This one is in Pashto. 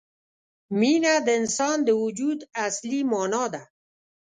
مینه د انسان د وجود اصلي معنا ده.